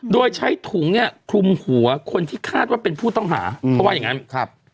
โดยใช้ถุงทุมหัวคนที่คาดว่าเป็นผู้ต้องหาเพราะว่าอย่างนั้น